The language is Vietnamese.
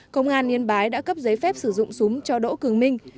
công an yên bái đã cấp giấy phép sử dụng súng cho đỗ cường minh